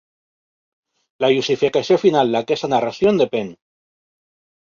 La justificació final d'aquesta narració en depèn.